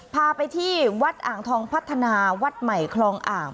พาไปที่วัดอ่างทองพัฒนาวัดใหม่คลองอ่าง